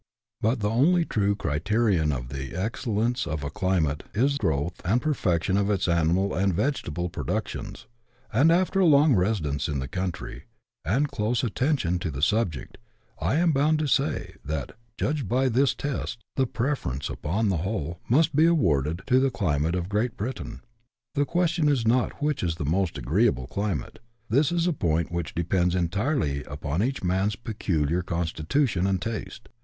But the only true criterion of the excellence of a climate is the growth and perfection of its animal and vegetable produc tions ; and after a long residence in the country, and close at tention to the subject, I am bound to say that, judged by this 122 BUSH LIFE IN AUSTRALIA. [chap. xi. test, the preference, upon the whole, must be awarded to the climate of Great Britain. The question is not which is the most agreeable climate ; this is a point which depends entirely upon each man's peculiar con stitution and taste.